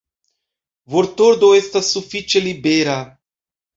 Vortordo estas sufiĉe libera.